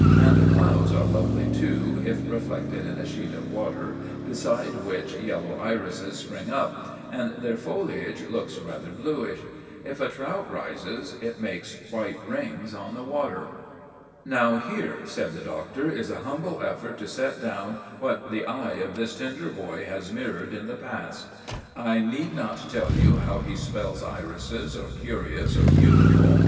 And clouds are lovely too, if reflected in a sheet of water beside which yellow irises spring up, and their foliage looks rather bluish. If a trout rises, it makes white rings on the water.' "Now, here," said the Doctor, "is a humble effort to set down what the eye of this tender boy has mirrored in the past. I need not tell you how he spells 'irises,' or 'curious,' or 'beautiful.